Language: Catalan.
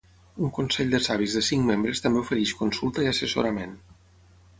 Un Consell de Savis de cinc membres també ofereix consulta i assessorament.